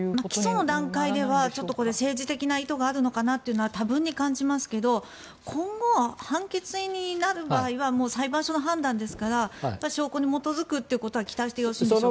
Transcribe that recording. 起訴の段階では政治的な意図があるのかなとは多分に感じますが今後、判決になる場合はもう裁判所の判断ですから証拠に基づくということは期待していいんでしょうか？